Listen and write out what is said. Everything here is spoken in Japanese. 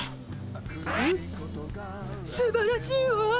ハッすばらしいわ！